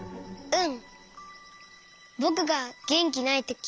うん。